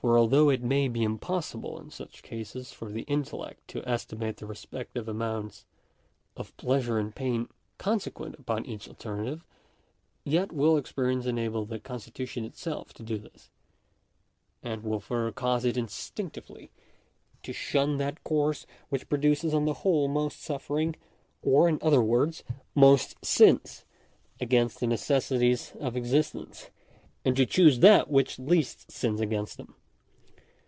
although it may be impossible in such cases for the intellect to estimate the respective amounts of pleasure and pain consequent upon each alternative, yet will experience enable the constitu tion itself to do this; and will further cause it instinctively to shun that course which produces on the whole most suffering, or, in other words — most sins against the necessities of exist ence, and to choose that which least sins against them.